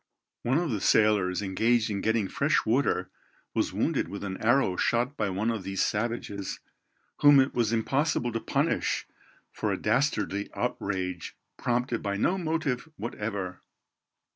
One of the sailors engaged in getting fresh water was wounded with an arrow shot by one of these savages, whom it was impossible to punish for a dastardly outrage prompted by no motive whatever.